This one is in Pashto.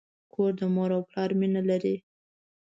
کور د مور او پلار مینه لري.